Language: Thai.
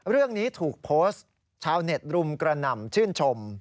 เรื่องนี้ถูกโพสต์ชาวเน็ตรุมกระหน่ำชื่นชม